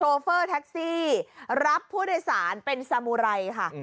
โฟเฟอร์แท็กซี่รับผู้โดยสารเป็นสามุไรค่ะ